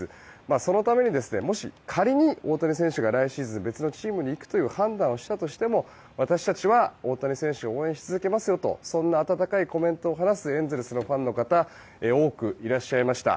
そのために、もし仮に大谷選手が来シーズン別のチームに行くという判断をしたとしても私たちは大谷選手を応援し続けますよとそんな温かいコメントを話すエンゼルスのファンの方多くいらっしゃいました。